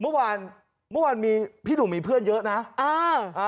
เมื่อวานเมื่อวานมีพี่หนุ่มมีเพื่อนเยอะนะเอออ่า